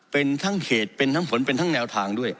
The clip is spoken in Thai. เป็นทั้งเขตเป็นทั้งผลเป็นทั้งแนวทางด้วย